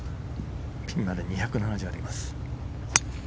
ピンまで２７０あります。